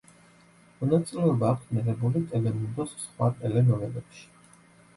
მონაწილეობა აქვს მიღებული ტელემუნდოს სხვა ტელენოველებში.